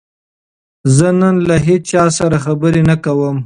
زه نن له هیچا سره خبرې نه کوم.